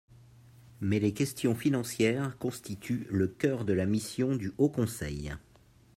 Mais les questions financières constituent le cœur de la mission du Haut conseil.